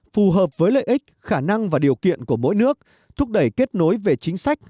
phù hợp với lợi ích khả năng và điều kiện của mỗi nước thúc đẩy kết nối về chính sách